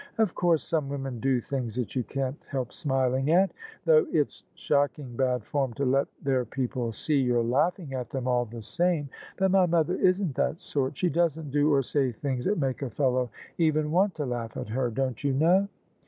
Of course some women do things that you can't help smiling at ; though it's shocking bad form to let their people see you're laughing at them all the same. But my mother isn't that sort: she doesn't do or say things that make a fellow even want to laugh at her, don't you know?"